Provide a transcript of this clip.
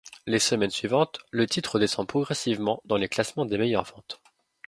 Les semaines suivantes, le titre descend progressivement dans le classement des meilleures ventes.